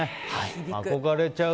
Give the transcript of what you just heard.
憧れちゃう。